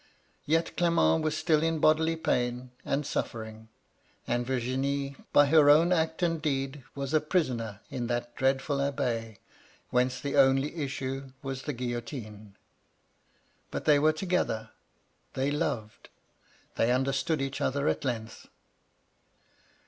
Yet Clement was still in bodily pain and suffering, and Vii^nie, by her own act and deed, was a prisoner in that dreadful Abbaye, whence the only issue was the guillotine. But they were together : they loved : they understood each other at length.